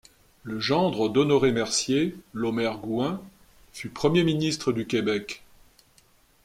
Le gendre d’Honoré Mercier, Lomer Gouin, fut Premier ministre du Québec.